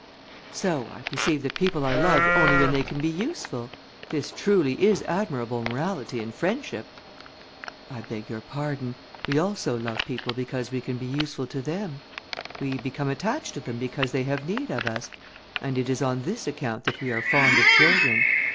"So, I perceive that people are loved only when they can be useful. This truly is admirable morality and friendship!" "I beg your pardon; we also love people because we can be useful to them; we become attached to them because they have need of us, and it is on this account that we are fond of children.